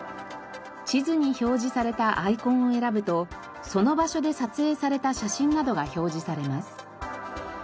地図に表示されたアイコンを選ぶとその場所で撮影された写真などが表示されます。